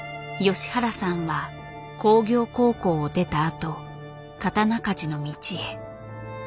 吉原さんは工業高校を出たあと刀鍛冶の道へ。